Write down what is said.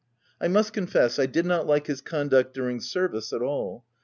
I must confess, I did not like his con duct during service at all.